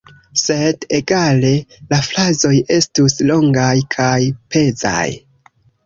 Sed egale, la frazoj estus longaj kaj pezaj.